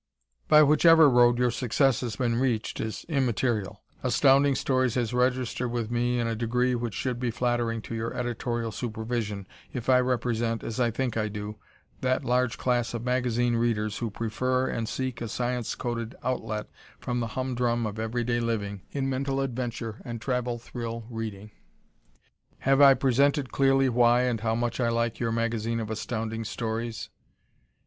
By whichever road your success has been reached is immaterial Astounding Stories has registered with me in a degree which should be flattering to your editorial supervision, if I represent, as I think I do, that large class of magazine readers who prefer and seek a science coated outlet from the humdrum of every day living in mental adventure and travel thrill reading. Have I presented clearly why and how much I like your magazine of Astounding Stories!